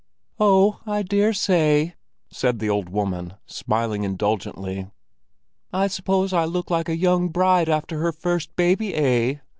"Oh, I dare say!" said the old woman, smiling indulgently. "I suppose I look like a young bride after her first baby, eh?